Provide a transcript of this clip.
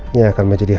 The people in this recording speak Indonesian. ini akan menjadi hari